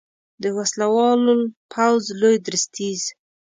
د وسلوال پوځ لوی درستیز